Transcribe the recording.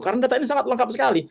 karena data ini sangat lengkap sekali